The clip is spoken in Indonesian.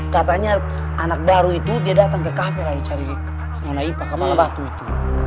katanya anak baru itu dia datang ke kafe lagi cari yang naipak kemana batu itu